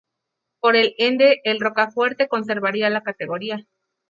Por ende el Rocafuerte conservaría la categoría.